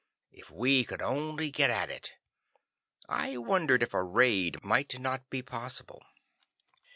If we could only get at it! I wondered if a raid might not be possible.